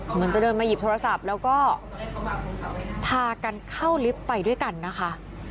เหมือนจะเดินมาหยิบโทรศัพท์แล้วก็พากันเข้าลิฟต์ไปด้วยกันนะคะ